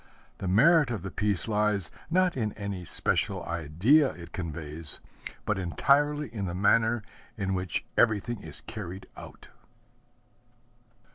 The merit of the piece lies, not in any special idea it conveys, but entirely in the manner in which everything is carried out.